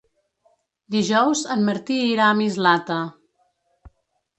Dijous en Martí irà a Mislata.